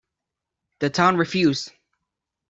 The town refused.